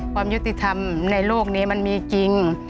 ความยุติธรรมในโลกนี้มันมีจริง